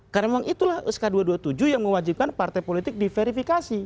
karena memang itulah sk dua ratus dua puluh tujuh yang mewajibkan partai politik diverifikasi